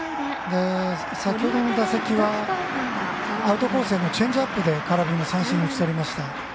先ほどの打席はアウトコースへのチェンジアップで空振り三振を打ち取りました。